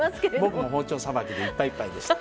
僕も包丁さばきでいっぱいいっぱいでした。